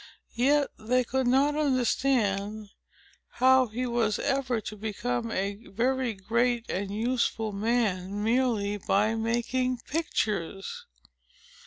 Yet they could not understand how he was ever to become a very great and useful man, merely by making pictures.